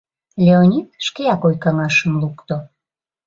Леонид шкеак ой-каҥашым лукто: